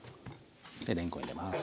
でれんこん入れます。